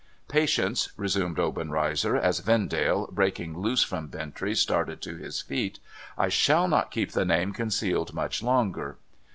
Patience !' resumed Obenreizer, as Vendale, breaking loose from Bintrey, started to his feet. * I shall not keep the name concealed much longer.